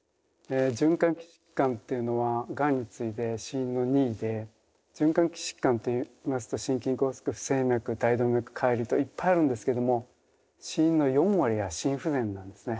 循環器疾患というのはガンに次いで死因の２位で循環器疾患と言いますと心筋梗塞不整脈大動脈解離といっぱいあるんですけども死因の４割が心不全なんですね。